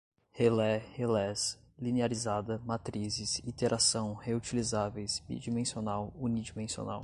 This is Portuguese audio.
relé, relés, linearizada, matrizes, iteração, reutilizáveis, bidimensional, unidimensional